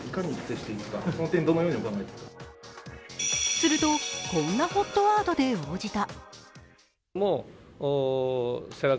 すると、こんなＨＯＴワードで応じた。